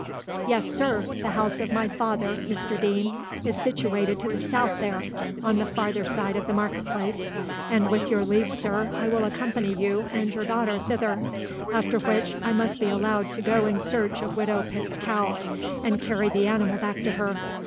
"Yes, sir, the house of my father, Mr Deane, is situated to the south there, on the farther side of the market place, and with your leave, sir, I will accompany you and your daughter thither, after which I must be allowed to go in search of Widow Pitt's cow, and carry the animal back to her.